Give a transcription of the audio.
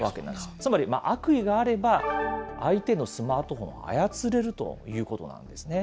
つまり悪意があれば、相手のスマートフォンを操れるということなんですね。